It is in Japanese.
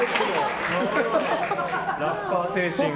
ラッパー精神が。